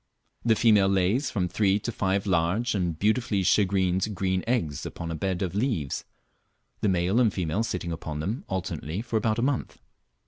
The female lays from three to five large and beautifully shagreened green eggs upon a bed of leaves, the male and female sitting upon them alternately for about a month.